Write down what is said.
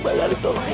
lu banyak ditolong ya